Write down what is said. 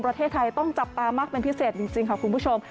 ประเทศไทยต้องจับตามากเป็นพิเศษจริงค่ะคุณผู้ชม